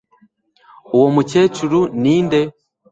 uwo mukecuru ninde